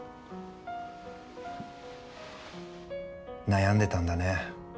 悩んでたんだね。